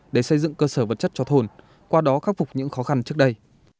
để xây dựng cơ sở vật chất cho thôn qua đó khắc phục những khó khăn trước đây